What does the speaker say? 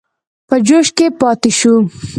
په جوش کې پاته شو.